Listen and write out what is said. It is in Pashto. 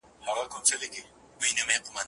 دوه پر لاري را روان دي دوه له لیري ورته خاندي